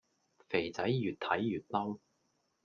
肥仔愈睇愈嬲